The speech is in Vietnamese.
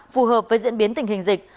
phù hợp với diễn biến tình hình dịch